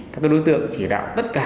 các đối tượng chỉ đạo tất cả